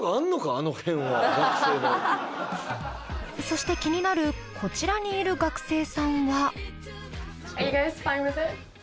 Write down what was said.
そして気になるこちらにいる学生さんは。